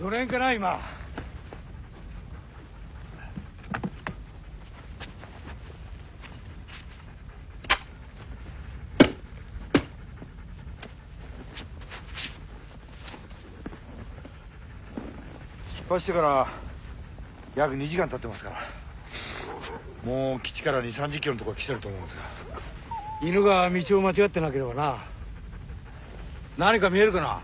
今出発してから約２時間たってますからもう基地から２０３０キロの所に来てると思うんですが犬が道を間違ってなければな何か見えるかな？